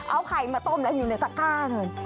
เอาไข่มาต้มแล้วอยู่ในตะก้าเลย